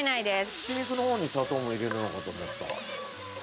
ひき肉の方に砂糖も入れるのかと思った。